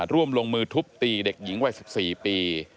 ร่วมลงมือทุบตีเด็กหญิงวัย๑๔ปี